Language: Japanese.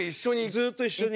ずーっと一緒に。